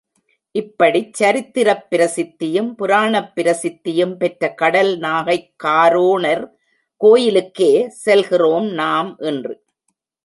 இப்படிச் சரித்திரப் பிரசித்தியும் புராணப் பிரசித்தியும் பெற்ற கடல் நாகைக் காரோணர் கோயிலுக்கே செல்கிறோம் நாம் இன்று.